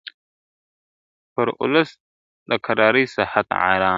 پر اولس د کرارۍ ساعت حرام وو ..